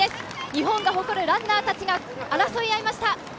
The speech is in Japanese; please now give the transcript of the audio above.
日本が誇るランナーたちが争い合いました。